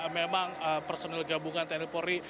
memang personil gabungan tni polri